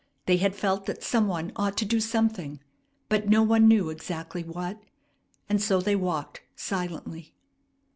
They had felt that some one ought to do something; but no one knew exactly what, and so they walked silently.